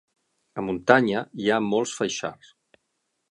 A muntanya hi ha molts feixars.